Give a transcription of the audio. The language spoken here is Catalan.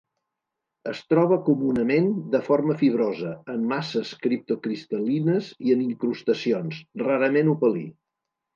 Es troba comunament de forma fibrosa, en masses criptocristal·lines i en incrustacions; rarament opalí.